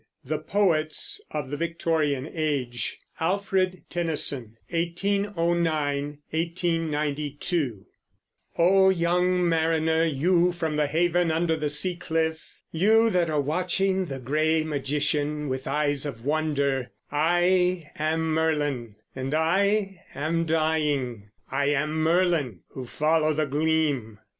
THE POETS OF THE VICTORIAN AGE ALFRED TENNYSON (1809 1892) O young Mariner, You from the haven Under the sea cliff, You that are watching The gray Magician With eyes of wonder, I am Merlin, And I am dying, I am Merlin Who follow The Gleam.